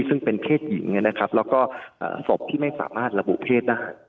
ซึ่งเป็นเพศหญิงและศพที่ไม่สามารถระบุเพศได้